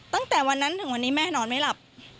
ตั้งแต่วันนั้นถึงวันนี้แม่นอนไม่หลับ